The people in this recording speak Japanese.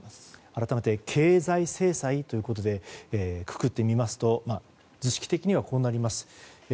改めて、経済制裁でくくってみますと図式的にはこうなります。